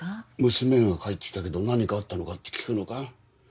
娘が帰ってきたけど何かあったのかって聞くのか？